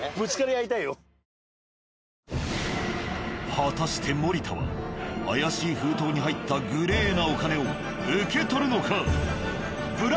果たして森田は怪しい封筒に入ったグレーなお金を受け取るのか？